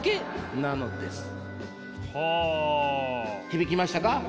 響きましたか？